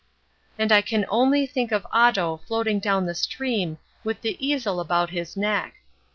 And I can only think of Otto floating down the stream with the easel about his neck.